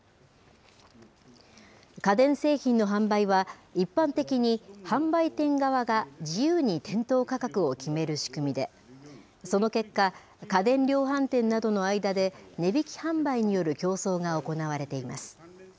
家電製品の販売は、一般的に販売店側が自由に店頭価格を決める仕組みで、その結果、家電量販店などの間で値引き販売による競争が行われています。